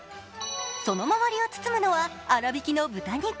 その周りを包むのは粗挽きの豚肉。